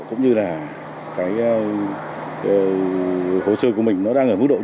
cũng như là hồ sơ của mình đang ở mức độ như nào để chúng ta chủ động được rất là thuận tiện